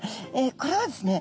これはですね